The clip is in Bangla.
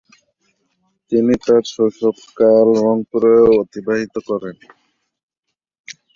তিনি তার শৈশবকাল রংপুরে অতিবাহিত করেন।